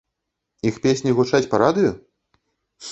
Іх песні гучаць па радыё?